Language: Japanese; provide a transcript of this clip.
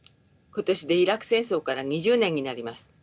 今年でイラク戦争から２０年になります。